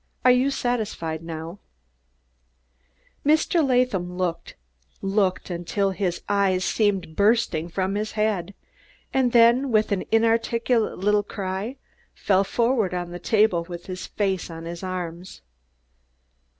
Are you satisfied now?" Mr. Latham looked, looked until his eyes seemed bursting from his head, and then, with an inarticulate little cry, fell forward on the table with his face on his arms.